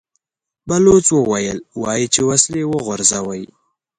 بلوڅ وويل: وايي چې وسلې وغورځوئ!